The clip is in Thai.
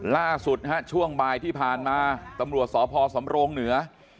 ล่าสุดนะฮะช่วงบ่ายที่ผ่านมาตำรวจสพสำโรงเหนือ